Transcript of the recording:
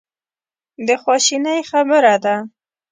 د خواشینۍ خبره ده.